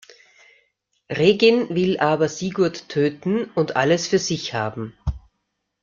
Reginn will aber Sigurd töten und alles für sich haben.